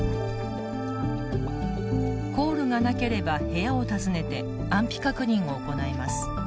コールがなければ部屋を訪ねて安否確認を行います。